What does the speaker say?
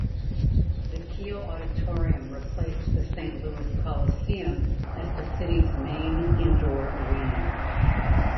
The Kiel Auditorium replaced the Saint Louis Coliseum as the city's main indoor arena.